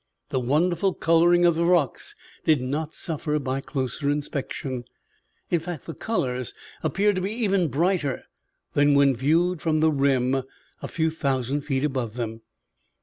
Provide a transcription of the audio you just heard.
The wonderful colorings of the rocks did not suffer by closer inspection; in fact, the colors appeared to be even brighter than when viewed from the rim a few thousand feet above them.